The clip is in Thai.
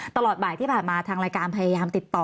ตลอดบ่ายที่ผ่านมาทางรายการพยายามติดต่อ